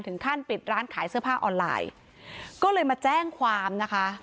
ถึงขั้นปิดร้านขายเสื้อผ้าออนไลน์ก็เลยมาแจ้งความนะคะ